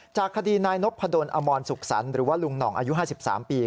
จากคดีนายนพดลอมรสุขสรรค์หรือว่าลุงหน่องอายุ๕๓ปี